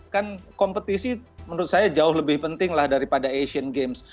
kan kompetisi menurut saya jauh lebih penting lah daripada asian games